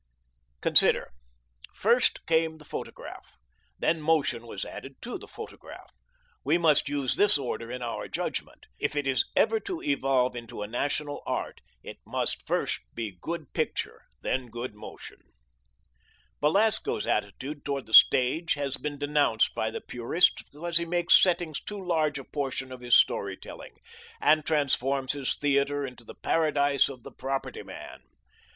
Consider: first came the photograph. Then motion was added to the photograph. We must use this order in our judgment. If it is ever to evolve into a national art, it must first be good picture, then good motion. Belasco's attitude toward the stage has been denounced by the purists because he makes settings too large a portion of his story telling, and transforms his theatre into the paradise of the property man.